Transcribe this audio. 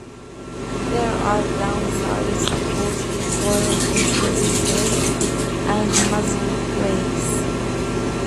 There are downsides to both recoil compensators and muzzle brakes.